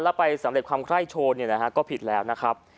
แล้วไปสำเร็จความไคร้โชว์เนี่ยนะฮะก็ผิดแล้วนะครับ